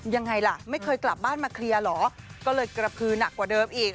ยังไงล่ะไม่เคยกลับบ้านมาเคลียร์เหรอก็เลยกระพือหนักกว่าเดิมอีก